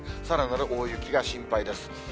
さらなる大雪が心配です。